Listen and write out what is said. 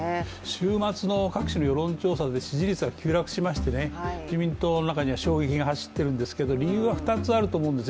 週末の各社の世論調査で支持率が急落しまして自民党の中には衝撃が走っているんですけれども、理由は２つあると思うんです。